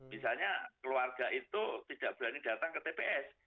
misalnya keluarga itu tidak berani datang ke tps